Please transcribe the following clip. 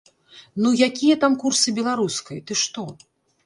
Ну якія там курсы беларускай, ты што.